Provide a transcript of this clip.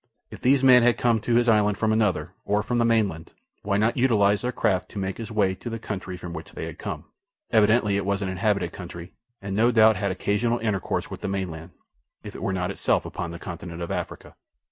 If these men had come to his island from another, or from the mainland, why not utilize their craft to make his way to the country from which they had come? Evidently it was an inhabited country, and no doubt had occasional intercourse with the mainland, if it were not itself upon the continent of Africa.